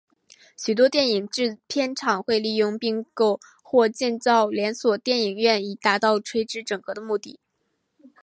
许多电影制片厂会利用并购或建造连锁电影院以达到垂直整合的目的。